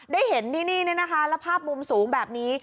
ได้เห็นนี่แล้วภาพมุมสูงแบบนี้